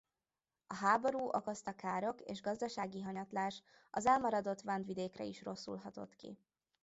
A háború okozta károk és gazdasági hanyatlás az elmaradott Vendvidékre is rosszul hatott ki.